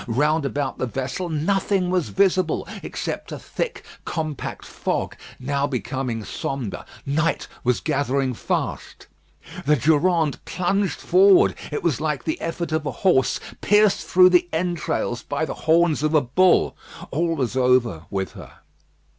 Round about the vessel nothing was visible except a thick, compact fog, now become sombre. Night was gathering fast. The Durande plunged forward. It was like the effort of a horse pierced through the entrails by the horns of a bull. All was over with her.